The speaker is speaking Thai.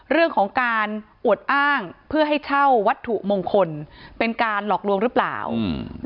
เรื่องของการอวดอ้างเพื่อให้เช่าวัตถุมงคลเป็นการหลอกลวงหรือเปล่าอืม